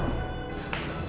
makasih ya pak